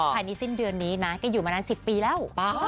ภายในสิ้นเดือนนี้นะแกอยู่มานาน๑๐ปีแล้ว